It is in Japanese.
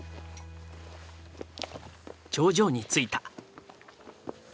頂上に着いた。